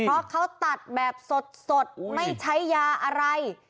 เพราะเขาตัดแบบสดไม่ใช้ยาอะไร